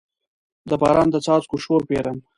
د باران د څاڅکو شور پیرم